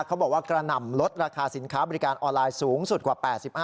กระหน่ำลดราคาสินค้าบริการออนไลน์สูงสุดกว่า๘๕